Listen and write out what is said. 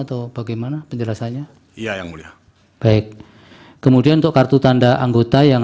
dari pemulauan nomor dua